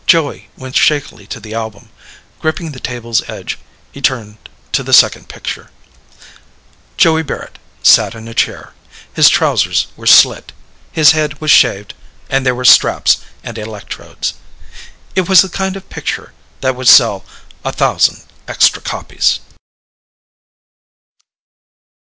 Joey went shakily to the album. Gripping the table's edge, he turned to the second picture: Joey Barrett sat in a chair. His trousers were slit. His head was shaved and there were straps and electrodes. It was the kind of picture that would sell a thousand extra copies.